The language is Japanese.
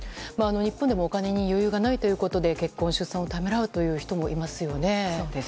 日本でもお金に余裕がないということで結婚・出産をためらう方もいらっしゃいますよね。